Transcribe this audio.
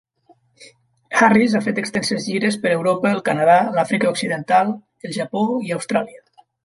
Harris ha fet extenses gires per Europa, el Canadà, l'Àfrica Occidental, el Japó i Austràlia.